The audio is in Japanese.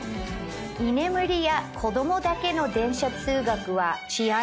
居眠りや子供だけの電車通学は。